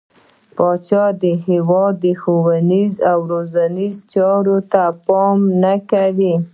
پاچا د هيواد ښونيرو او روزنيزو چارو ته پام نه کوي.